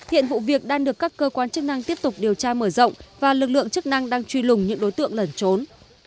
hiện vụ việc đang được các cơ quan chức năng tiếp tục điều tra mở rộng và lực lượng chức năng đang truy lùng những đối tượng lẩn trốn